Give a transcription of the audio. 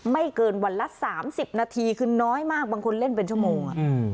ไม่เกินวันละ๓๐นาทีคือน้อยมากบางคนเล่นเป็นชั่วโมง